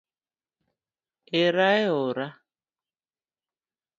Erae ora